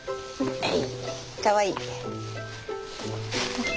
はい！